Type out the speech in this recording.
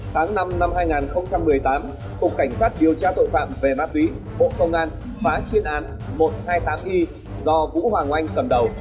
tháng năm năm hai nghìn một mươi tám cục cảnh sát điều tra tội phạm về ma túy bộ công an phá chuyên án một trăm hai mươi tám y do vũ hoàng oanh cầm đầu